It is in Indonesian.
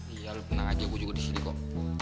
iya lo tenang aja gue juga disini kok